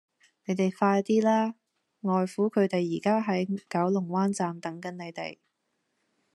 你哋快啲啦!外父佢哋而家喺九龍灣站等緊你哋